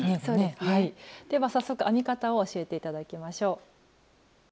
では早速編み方を教えていただきましょう。